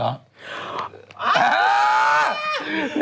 อ้าวเฮ้ย